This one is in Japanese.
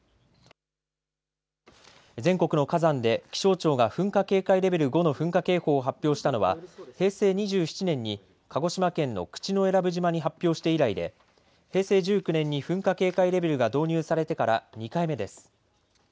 全国の火山で気象庁が噴火警戒レベル５の噴火警報を発表したのは平成２７年に鹿児島県の口永良部島に発表して以来で平成１９年に噴火警戒レベルが導入されてから２回目です。